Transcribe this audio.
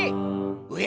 おや！